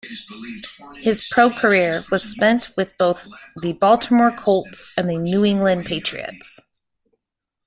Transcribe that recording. His pro-career was spent with both the Baltimore Colts and the New England Patriots.